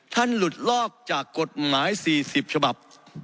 ท่านหลุดลอกจากกสมัย๔๐ฉบับ